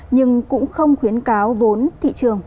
nhưng cũng không khuyến cáo vốn thị trường